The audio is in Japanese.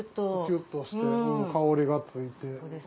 ギュっとして香りがついて。